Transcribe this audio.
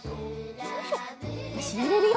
よしゆれるよ。